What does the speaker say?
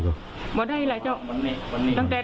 กลุ่มตัวเชียงใหม่